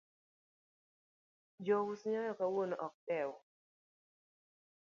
Jo us nyoyo kawuono ok dew.